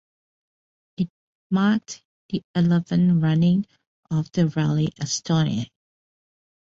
It marked the eleventh running of the Rally Estonia.